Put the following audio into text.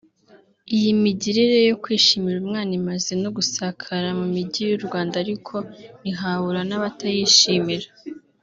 Iyi migirire yo kwishimira umwana imaze no gusakara mu mijyi y’u Rwanda ariko ntihabura n’abatayishimira